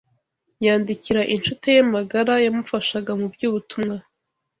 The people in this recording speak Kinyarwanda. Yandikira inshuti ye magara yamufashaga mu by’ubutumwa